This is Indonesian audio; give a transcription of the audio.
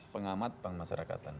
pengamat bang masyarakatan